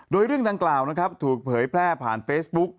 โดยเรื่องดังกล่าวนะครับถูกเผยแพร่ผ่านเฟซบุ๊ก